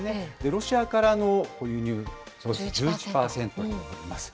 ロシアからの輸入１１％であります。